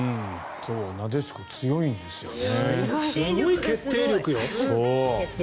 なでしこ強いんですよね。